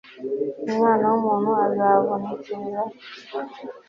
Umwana wu ntu azabonekeraho